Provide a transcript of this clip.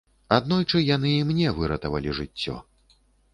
Аднойчы яны і мне выратавалі жыццё.